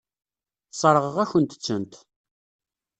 Sseṛɣeɣ-akent-tent.